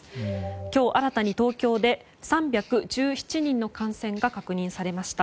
今日新たに、東京で３１７人の感染が確認されました。